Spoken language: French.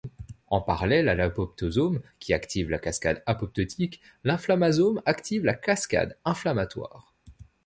En parallèle à l'apoptosome, qui active la cascade apoptotique, l'inflammasome active la cascade inflammatoire.